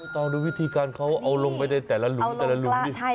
ต้องดูวิธีการเขาเอาลงไปในแต่ละหลุ้นดิ